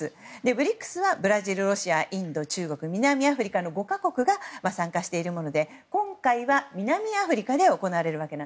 ＢＲＩＣＳはブラジル、ロシアインド、中国、南アフリカの５か国が参加しているもので今回は南アフリカで行われます。